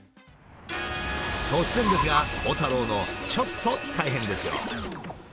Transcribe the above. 突然ですが鋼太郎のちょっと大変ですよ。